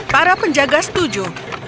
para penjaga setuju